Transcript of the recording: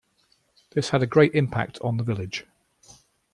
This had a great impact on the village.